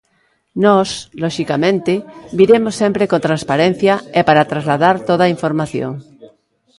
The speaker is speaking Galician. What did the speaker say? Nós, loxicamente, viremos sempre con transparencia e para trasladar toda a información.